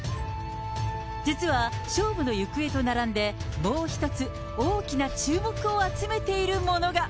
実は勝負の行方と並んで、もう一つ、大きな注目を集めているものが。